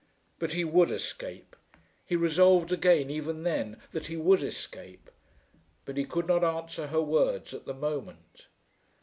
But he would escape. He resolved again, even then, that he would escape; but he could not answer her words at the moment.